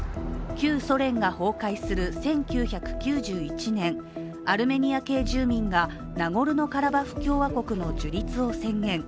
旧ソ連が崩壊する１９９１年、アルメニア系住民がナゴルノ・カラバフ共和国の樹立を宣言。